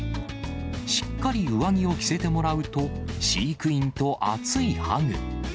しっかり上着を着せてもらうと、飼育員と熱いハグ。